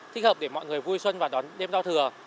thích hợp để mọi người vui xuân và đón đêm giao thừa